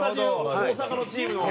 大阪のチームの。